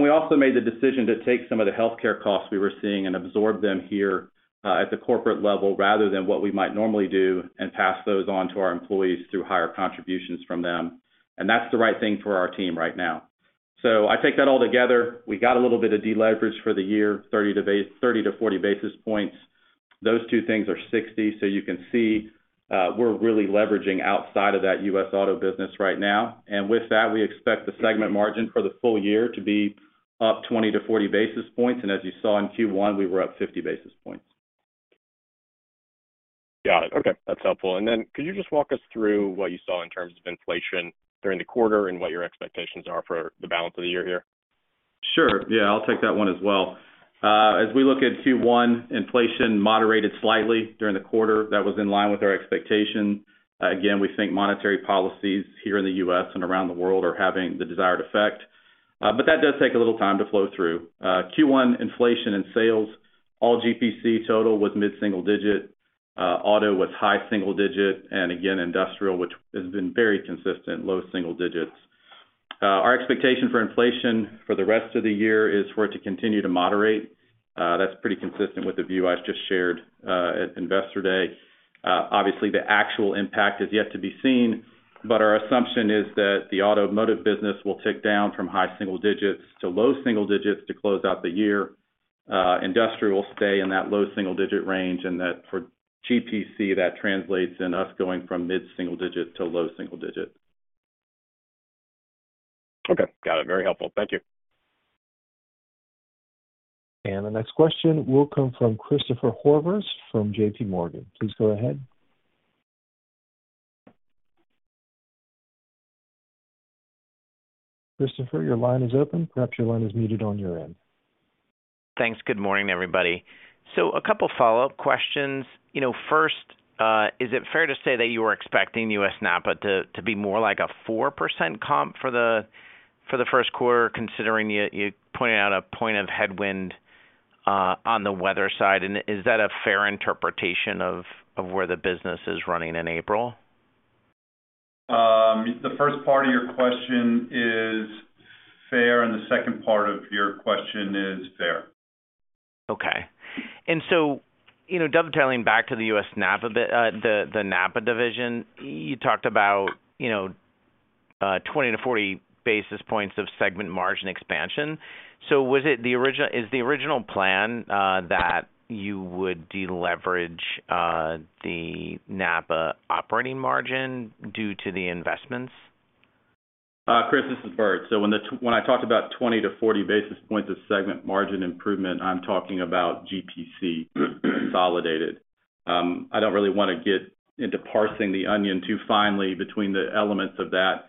Speaker 5: We also made the decision to take some of the healthcare costs we were seeing and absorb them here at the corporate level rather than what we might normally do and pass those on to our employees through higher contributions from them. That's the right thing for our team right now. I take that all together. We got a little bit of deleverage for the year, 30-to-40-basis points. Those two things are 60%. You can see, we're really leveraging outside of that US Auto business right now. With that, we expect the segment margin for the full year to be up 20-to-40-basis points. As you saw in first quarter, we were up 50-basis points.
Speaker 9: Got it. Okay. That's helpful. Could you just walk us through what you saw in terms of inflation during the quarter and what your expectations are for the balance of the year here?
Speaker 5: Sure. Yeah, I'll take that one as well. As we look at first quarter, inflation moderated slightly during the quarter. That was in line with our expectation. Again, we think monetary policies here in the US and around the world are having the desired effect, but that does take a little time to flow through. First quarter inflation and sales, all GPC total was mid-single digit. Auto was high single digit, and again, industrial, which has been very consistent, low single digits. Our expectation for inflation for the rest of the year is for it to continue to moderate. That's pretty consistent with the view I just shared at Investor Day. Obviously, the actual impact is yet to be seen, but our assumption is that the automotive business will tick down from high single digits to low single digits to close out the year. Industrial will stay in that low single-digit range, and that for GPC, that translates in us going from mid-single digit to low single digit.
Speaker 10: Okay. Got it. Very helpful. Thank you.
Speaker 1: The next question will come from Christopher Horvers from JPMorgan. Please go ahead. Christopher, your line is open. Perhaps your line is muted on your end.
Speaker 11: Thanks. Good morning, everybody. A couple follow-up questions. You know, first, is it fair to say that you were expecting US NAPA to be more like a 4% comp for the first quarter, considering you pointed out a point of headwind on the weather side? Is that a fair interpretation of where the business is running in April?
Speaker 3: The first part of your question is fair. The second part of your question is fair.
Speaker 11: Okay. you know, dovetailing back to the US NAPA the NAPA division, you talked about, you know, 20-to-40-basis points of segment margin expansion. Is the original plan that you would deleverage the NAPA operating margin due to the investments?
Speaker 5: Chris, this is Bert. When I talked about 20-to-40-basis points of segment margin improvement, I'm talking about GPC consolidated. I don't really wanna get into parsing the onion too finely between the elements of that,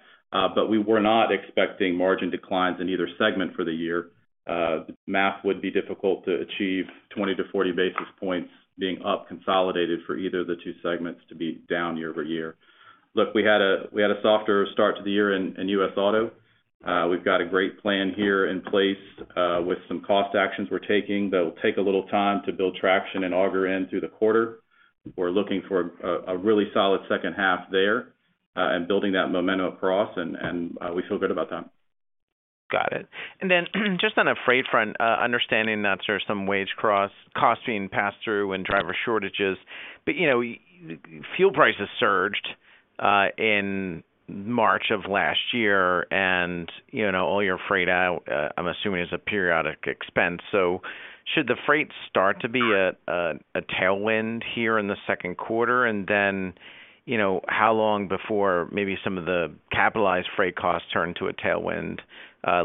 Speaker 5: we were not expecting margin declines in either segment for the year. The math would be difficult to achieve 20-to-40-basis points being up consolidated for either of the two segments to be down year-over-year. We had a softer start to the year in US Auto. We've got a great plan here in place with some cost actions we're taking that will take a little time to build traction and auger in through the quarter. We're looking for a really solid second half there, and building that momentum across, and we feel good about that.
Speaker 11: Got it. Just on the freight front, understanding that there's some wage costs being passed through and driver shortages. You know, fuel prices surged in March of last year and, you know, all your freight out, I'm assuming is a periodic expense. Should the freight start to be a tailwind here in the second quarter? You know, how long before maybe some of the capitalized freight costs turn into a tailwind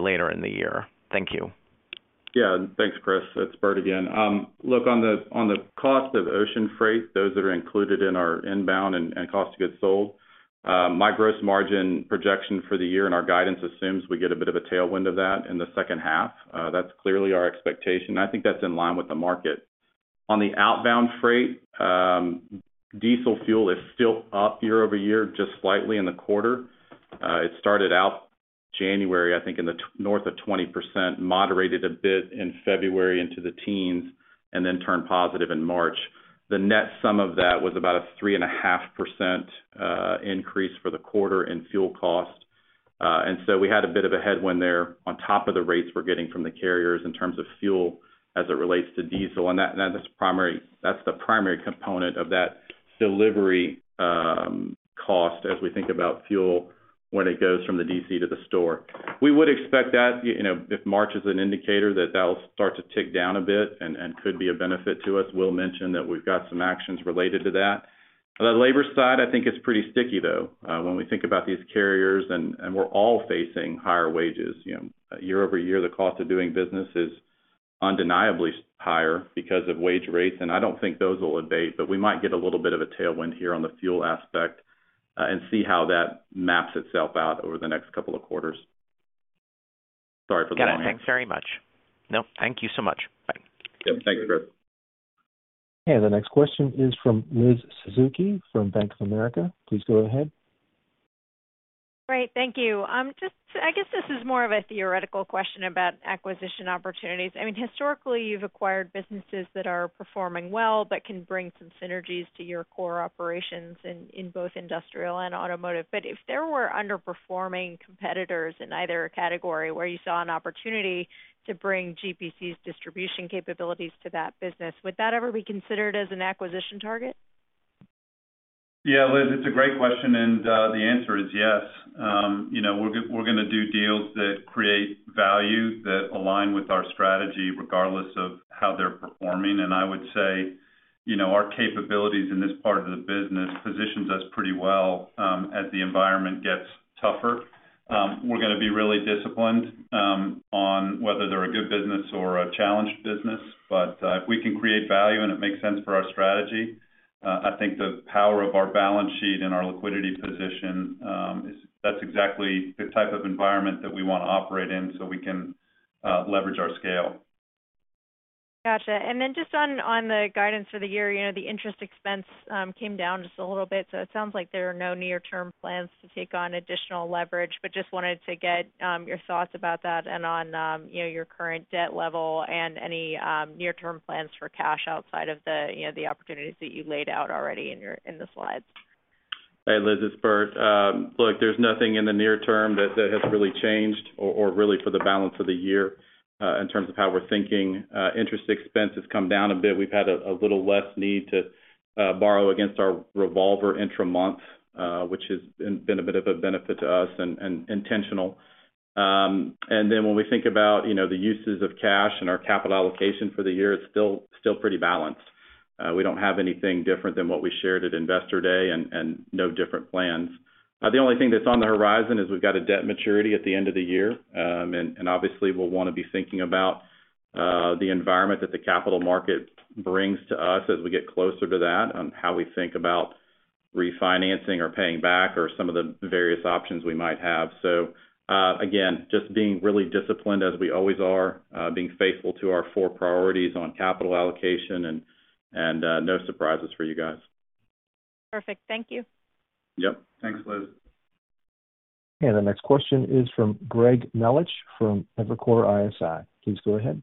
Speaker 11: later in the year? Thank you.
Speaker 5: Thanks, Chris. It's Bert again. look, on the cost of ocean freight, those that are included in our inbound and cost goods sold, my gross margin projection for the year and our guidance assumes we get a bit of a tailwind of that in the second half. That's clearly our expectation. I think that's in line with the market. On the outbound freight, diesel fuel is still up year-over-year, just slightly in the quarter. It started out January, I think, north of 20%, moderated a bit in February into the teens, and then turned positive in March. The net sum of that was about a 3.5% increase for the quarter in fuel cost. We had a bit of a headwind there on top of the rates we're getting from the carriers in terms of fuel as it relates to diesel, and that's the primary component of that delivery cost as we think about fuel when it goes from the DC to the store. We would expect that, you know, if March is an indicator, that that will start to tick down a bit and could be a benefit to us. Will mentioned that we've got some actions related to that. On the labor side, I think it's pretty sticky, though. When we think about these carriers and we're all facing higher wages. You know, year-over-year, the cost of doing business is undeniably higher because of wage rates, and I don't think those will abate, but we might get a little bit of a tailwind here on the fuel aspect and see how that maps itself out over the next couple of quarters. Sorry for the long answer.
Speaker 11: Got it. Thanks very much. No, thank you so much. Bye.
Speaker 5: Yep. Thank you, Chris.
Speaker 1: The next question is from Liz Suzuki from Bank of America. Please go ahead.
Speaker 12: Great. Thank you. I guess this is more of a theoretical question about acquisition opportunities. I mean, historically, you've acquired businesses that are performing well but can bring some synergies to your core operations in both industrial and automotive. If there were underperforming competitors in either category where you saw an opportunity to bring GPC's distribution capabilities to that business, would that ever be considered as an acquisition target?
Speaker 3: Yeah, Liz, it's a great question, and the answer is yes. You know, we're gonna do deals that create value that align with our strategy regardless of how they're performing. I would say, you know, our capabilities in this part of the business positions us pretty well as the environment gets tougher. We're gonna be really disciplined on whether they're a good business or a challenged business. If we can create value and it makes sense for our strategy, I think the power of our balance sheet and our liquidity position, is that's exactly the type of environment that we wanna operate in so we can leverage our scale.
Speaker 12: Gotcha. Just on the guidance for the year, you know, the interest expense came down just a little bit. It sounds like there are no near-term plans to take on additional leverage. Just wanted to get your thoughts about that and on, you know, your current debt level and any near-term plans for cash outside of the, you know, the opportunities that you laid out already in the slides.
Speaker 5: Hey, Liz, it's Bert. There's nothing in the near term that has really changed or really for the balance of the year, in terms of how we're thinking. Interest expense has come down a bit. We've had a little less need to borrow against our revolver intramont, which has been a bit of a benefit to us and intentional. When we think about, you know, the uses of cash and our capital allocation for the year, it's still pretty balanced. We don't have anything different than what we shared at Investor Day and no different plans. The only thing that's on the horizon is we've got a debt maturity at the end of the year. Obviously, we'll wanna be thinking about, the environment that the capital market brings to us as we get closer to that on how we think about refinancing or paying back or some of the various options we might have. Again, just being really disciplined as we always are, being faithful to our four priorities on capital allocation and, no surprises for you guys.
Speaker 13: Perfect. Thank you.
Speaker 5: Yep.
Speaker 3: Thanks, Liz.
Speaker 1: The next question is from Greg Melich from Evercore ISI. Please go ahead.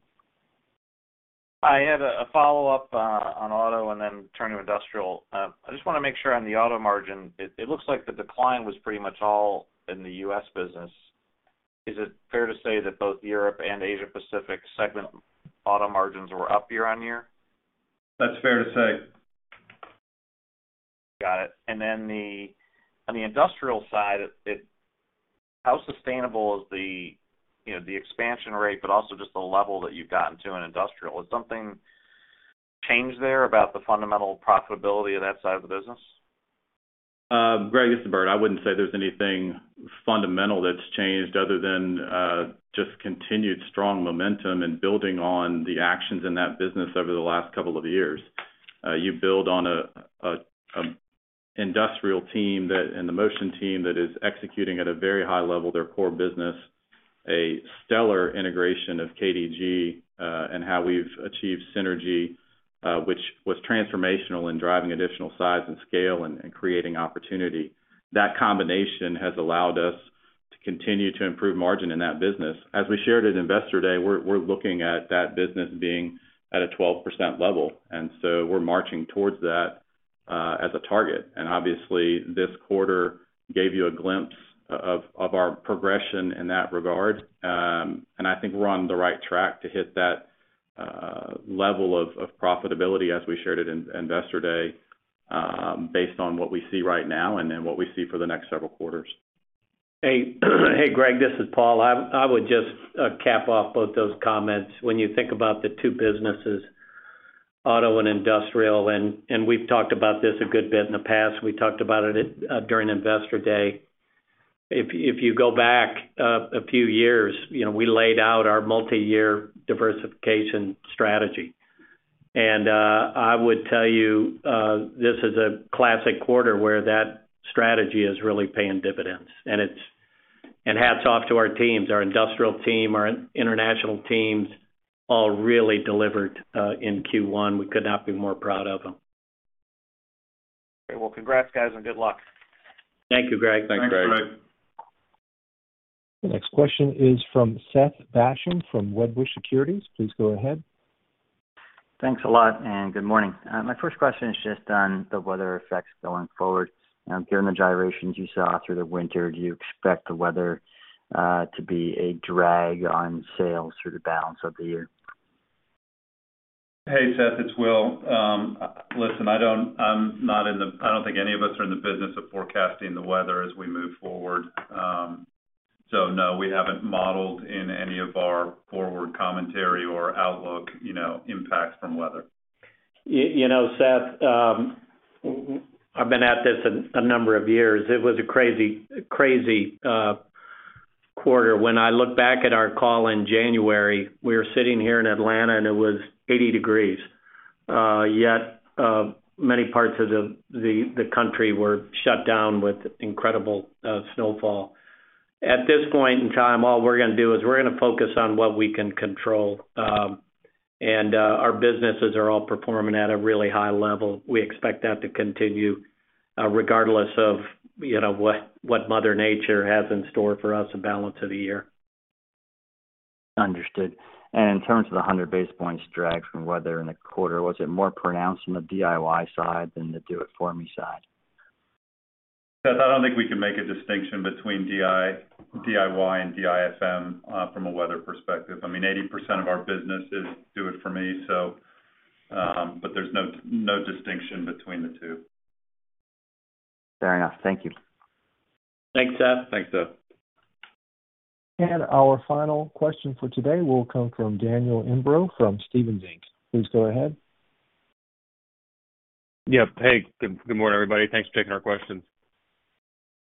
Speaker 14: I had a follow-up on auto and then turning to industrial. I just wanna make sure on the auto margin, it looks like the decline was pretty much all in the US business. Is it fair to say that both Europe and Asia Pacific segment auto margins were up year-on-year?
Speaker 3: That's fair to say.
Speaker 14: Got it. On the industrial side, how sustainable is the, you know, the expansion rate, but also just the level that you've gotten to in industrial? Has something changed there about the fundamental profitability of that side of the business?
Speaker 5: Greg, this is Bert. I wouldn't say there's anything fundamental that's changed other than just continued strong momentum and building on the actions in that business over the last couple of years. You build on a industrial team and the Motion team that is executing at a very high level their core business, a stellar integration of KDG, and how we've achieved synergy, which was transformational in driving additional size and scale and creating opportunity. That combination has allowed us to continue to improve margin in that business. As we shared at Investor Day, we're looking at that business being at a 12% level, we're marching towards that as a target. Obviously, this quarter gave you a glimpse of our progression in that regard. I think we're on the right track to hit that level of profitability as we shared at Investor Day, based on what we see right now and then what we see for the next several quarters.
Speaker 3: Hey, Greg, this is Paul. I would just cap off both those comments. When you think about the two businesses, auto and industrial, and we've talked about this a good bit in the past, we talked about it at during Investor Day. If you go back a few years, you know, we laid out our multiyear diversification strategy. I would tell you, this is a classic quarter where that strategy is really paying dividends. Hats off to our teams. Our industrial team, our international teams all really delivered in first quarter. We could not be more proud of them.
Speaker 14: Great. Well, congrats, guys, and good luck.
Speaker 3: Thank you, Greg.
Speaker 5: Thanks, Greg.
Speaker 1: The next question is from Seth Basham from Wedbush Securities. Please go ahead.
Speaker 15: Thanks a lot, good morning. My first question is just on the weather effects going forward. Given the gyrations you saw through the winter, do you expect the weather to be a drag on sales through the balance of the year?
Speaker 4: Hey, Seth, it's Will. listen, I don't think any of us are in the business of forecasting the weather as we move forward. No, we haven't modeled in any of our forward commentary or outlook, you know, impacts from weather.
Speaker 3: You know, Seth, I've been at this a number of years. It was a crazy quarter. When I look back at our call in January, we were sitting here in Atlanta, and it was 80 degrees. Yet many parts of the country were shut down with incredible snowfall. At this point in time, all we're gonna do is we're gonna focus on what we can control. Our businesses are all performing at a really high level. We expect that to continue, regardless of, you know, what mother nature has in store for us the balance of the year.
Speaker 16: Understood. In terms of the 100 basis points drag from weather in the quarter, was it more pronounced in the DIY side than the do it for me side?
Speaker 5: Seth, I don't think we can make a distinction between DIY and DIFM from a weather perspective. I mean, 80% of our business is do it for me, there's no distinction between the two.
Speaker 16: Fair enough. Thank you.
Speaker 3: Thanks, Seth.
Speaker 5: Thanks, Seth.
Speaker 1: Our final question for today will come from Daniel Imbro from Stephens Inc. Please go ahead.
Speaker 10: Hey, good morning, everybody. Thanks for taking our questions.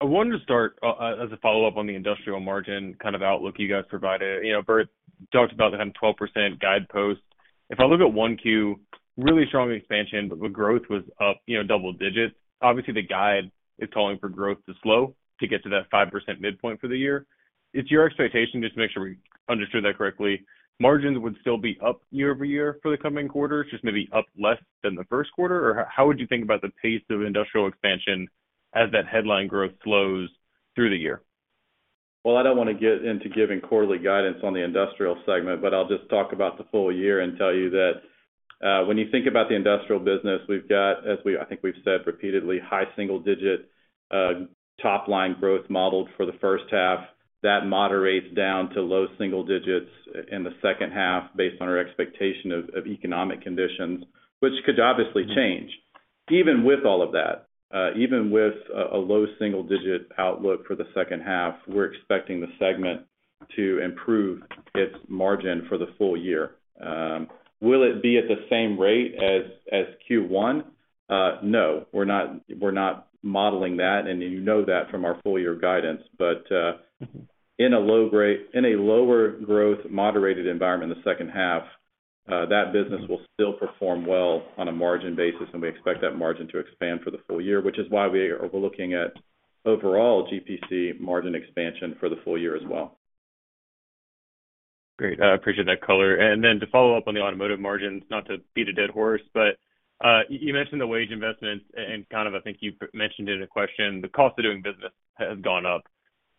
Speaker 10: I wanted to start as a follow-up on the industrial margin kind of outlook you guys provided. You know, Bert talked about the 10% to 12% guide post. If I look at first quarter, really strong expansion, the growth was up, you know, double digits. Obviously, the guide is calling for growth to slow to get to that 5% midpoint for the year. It's your expectation, just to make sure we understood that correctly, margins would still be up year-over-year for the coming quarters, just maybe up less than the first quarter? How would you think about the pace of industrial expansion as that headline growth slows through the year?
Speaker 5: Well, I don't wanna get into giving quarterly guidance on the industrial segment, but I'll just talk about the full year and tell you that, when you think about the industrial business, we've got, as I think we've said repeatedly, high single-digit top line growth modeled for the first half. That moderates down to low single-digits in the second half based on our expectation of economic conditions, which could obviously change. Even with all of that, even with a low single-digit outlook for the second half, we're expecting the segment to improve its margin for the full year. Will it be at the same rate as first quarter? No, we're not modeling that, and you know that from our full year guidance. In a lower growth moderated environment in the second half, that business will still perform well on a margin basis, and we expect that margin to expand for the full year, which is why we are looking at overall GPC margin expansion for the full year as well.
Speaker 10: Great. I appreciate that color. And then to follow up on the automotive margins, not to beat a dead horse, but, you mentioned the wage investments and kind of, I think you mentioned in a question, the cost of doing business has gone up.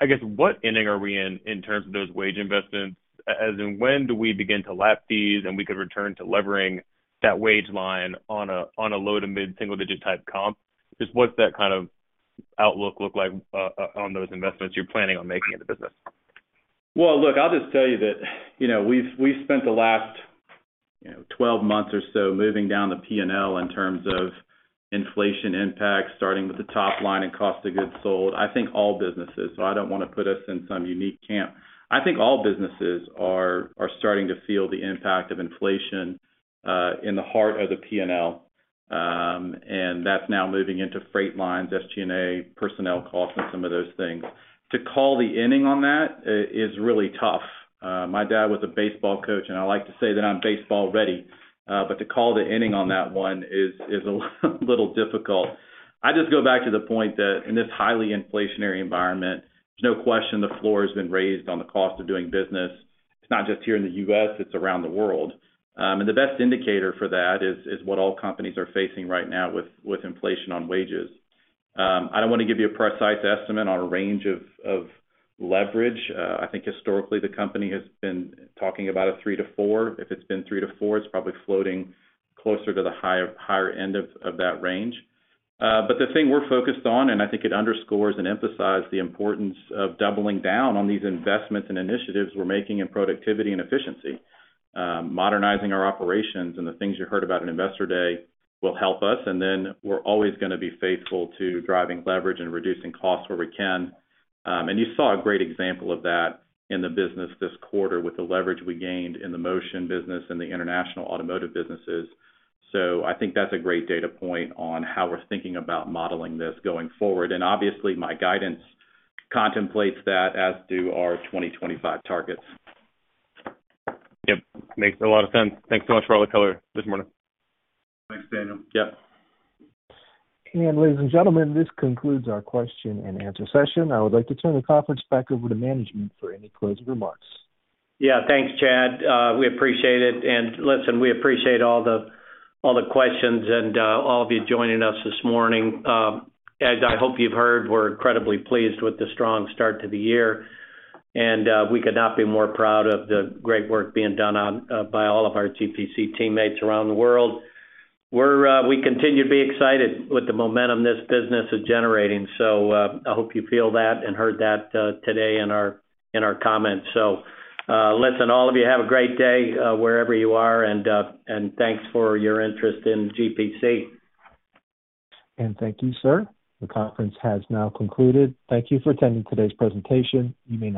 Speaker 10: I guess, what inning are we in in terms of those wage investments? As in when do we begin to lap these and we could return to levering that wage line on a low to mid-single-digit type comp? Just what's that kind of outlook look like, on those investments you're planning on making in the business?
Speaker 5: Look, I'll just tell you that, you know, we've spent the last, you know, 12 months or so moving down the P&L in terms of inflation impact, starting with the top line and cost of goods sold. I think all businesses. I don't wanna put us in some unique camp. I think all businesses are starting to feel the impact of inflation in the heart of the P&L, and that's now moving into freight lines, SG&A, personnel costs, and some of those things. To call the inning on that is really tough. My dad was a baseball coach, and I like to say that I'm baseball ready. To call the inning on that one is a little difficult. I just go back to the point that in this highly inflationary environment, there's no question the floor has been raised on the cost of doing business. It's not just here in the US, it's around the world. The best indicator for that is what all companies are facing right now with inflation on wages. I don't wanna give you a precise estimate on a range of leverage. I think historically the company has been talking about a 3% to 4%. If it's been 3% to 4%, it's probably floating closer to the higher end of that range. The thing we're focused on, and I think it underscores and emphasize the importance of doubling down on these investments and initiatives we're making in productivity and efficiency. Modernizing our operations and the things you heard about in Investor Day will help us, and then we're always gonna be faithful to driving leverage and reducing costs where we can. You saw a great example of that in the business this quarter with the leverage we gained in the Motion business and the international automotive businesses. I think that's a great data point on how we're thinking about modeling this going forward. Obviously, my guidance contemplates that as do our 2025 targets.
Speaker 10: Yep. Makes a lot of sense. Thanks so much for all the color this morning.
Speaker 3: Thanks, Daniel.
Speaker 5: Yeah.
Speaker 1: Ladies and gentlemen, this concludes our question-and-answer session. I would like to turn the conference back over to management for any closing remarks.
Speaker 3: Yeah. Thanks, Chad. We appreciate it. Listen, we appreciate all the, all the questions and all of you joining us this morning. As I hope you've heard, we're incredibly pleased with the strong start to the year, and we could not be more proud of the great work being done by all of our GPC teammates around the world. We're, we continue to be excited with the momentum this business is generating, so I hope you feel that and heard that today in our, in our comments. Listen, all of you have a great day wherever you are and thanks for your interest in GPC.
Speaker 1: Thank you, sir. The conference has now concluded. Thank you for attending today's presentation. You may disconnect.